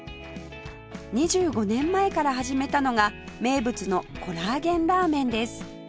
２５年前から始めたのが名物のコラーゲンラーメンです